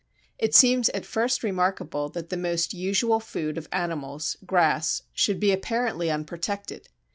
It seems at first remarkable that the most usual food of animals, grass, should be apparently unprotected.